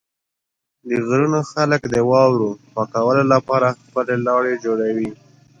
د غرونو خلک د واورو پاکولو لپاره خپل لارې جوړوي.